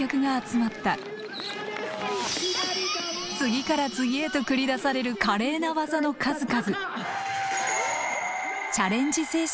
次から次へと繰り出される華麗な技の数々。